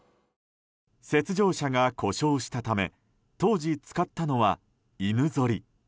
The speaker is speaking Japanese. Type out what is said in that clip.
雪上車が故障したため当時使ったのは犬ぞり。